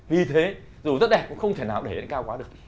vì thế dù rất đẹp cũng không thể nào để lên cao quá được